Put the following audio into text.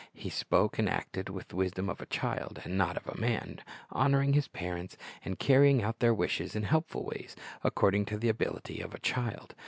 He spoke and acted with the wisdom of a child, and not of a man, honoring His parents, and carrying out their wishes in helpful ways, according to the ability of a child.